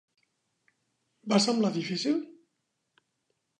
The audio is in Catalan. Va semblar difícil?